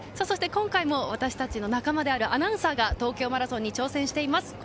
今回も私たちの仲間であるアナウンサーが東京マラソンに挑戦しています。